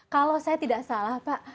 kalau saya tidak salah pak